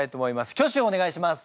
挙手をお願いします！